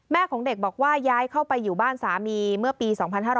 ของเด็กบอกว่าย้ายเข้าไปอยู่บ้านสามีเมื่อปี๒๕๕๙